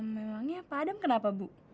memangnya pak adam kenapa bu